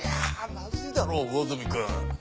まずいだろ魚住君。